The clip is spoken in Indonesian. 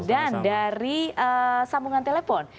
dan dari sambungan telepon